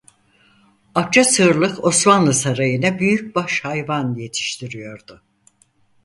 Akçasığırlık Osmanlı sarayına büyük baş hayvan yetiştiriyordu.